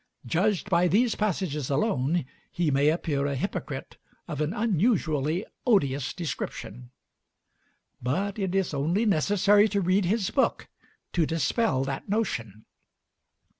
Judged by these passages alone, he may appear a hypocrite of an unusually odious description. But it is only necessary to read his book to dispel that notion.